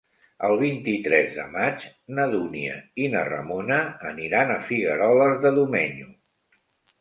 El vint-i-tres de maig na Dúnia i na Ramona aniran a Figueroles de Domenyo.